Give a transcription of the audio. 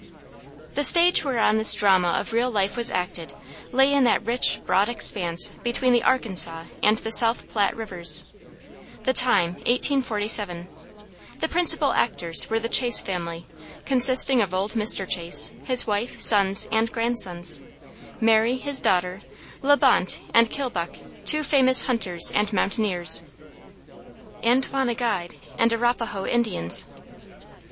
The stage whereon this drama of real life was acted lay in that rich, broad expanse between the Arkansas and the South Platte Rivers. The time, 1847. The principal actors were the Chase family, consisting of old Mr. Chase, his wife, sons, and grandsons, Mary, his daughter, La Bonte and Kilbuck two famous hunters and mountaineers, Antoine a guide and Arapahoe Indians.